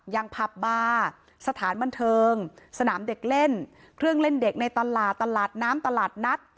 ผับบาร์สถานบันเทิงสนามเด็กเล่นเครื่องเล่นเด็กในตลาดตลาดน้ำตลาดนัด